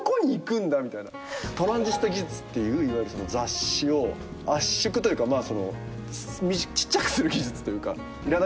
『トランジスタ技術』っていういわゆるその雑誌を圧縮というかまあそのちっちゃくする技術というかいらない部分をカットして。